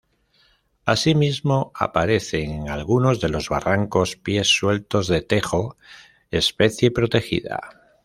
Asimismo, aparecen en alguno de los barrancos pies sueltos de tejo, especie protegida.